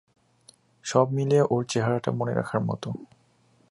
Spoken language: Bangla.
সব মিলিয়ে ওর চেহারাটা মনে রাখবার মতো।